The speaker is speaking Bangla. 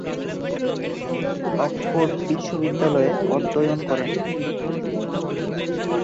অক্সফোর্ড বিশ্ববিদ্যালয়ে অধ্যয়ন করেন।